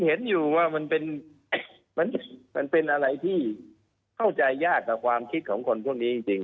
เห็นอยู่ว่ามันเป็นอะไรที่เข้าใจยากกับความคิดของคนพวกนี้จริง